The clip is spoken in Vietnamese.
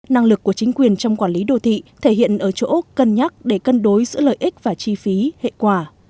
năng lực của chính quyền trong quản lý đô thị thể hiện ở chỗ cân nhắc để cân đối giữa lợi ích và chi phí hệ quả